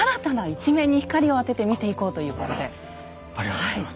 だからありがとうございます。